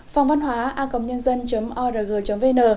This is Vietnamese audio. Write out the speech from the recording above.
phòng văn hóa a org vn